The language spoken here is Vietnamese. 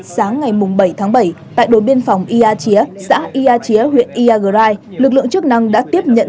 sáng ngày bảy tháng bảy tại đồn biên phòng ia chía xã ia chía huyện iagrai lực lượng chức năng đã tiếp nhận